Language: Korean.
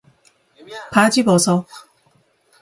바지 벗어.